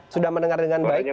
sudah mendengar dengan baik